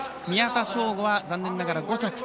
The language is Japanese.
宮田将吾は残念ながら５着。